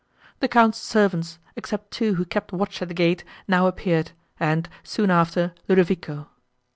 The Count's servants, except two who kept watch at the gate, now appeared, and, soon after, Ludovico.